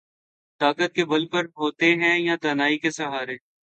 طاقت کے بل بوتے پہ یا دانائی کے سہارے۔